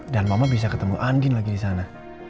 dan mama bisa ketemu andin lagi di sana